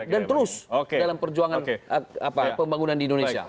dan terus dalam perjuangan pembangunan di indonesia